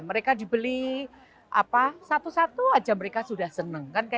mereka dibeli satu satu aja mereka sudah senang